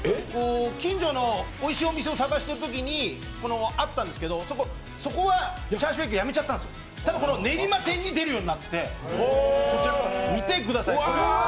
近所のおいしいお店を探してるときにあったんですけど、そこはチャーシューエッグやめちゃったんですけど、練馬店に出るようになって、こちら、見てください！